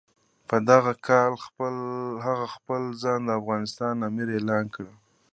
په دغه کال هغه خپل ځان د افغانستان امیر اعلان کړ.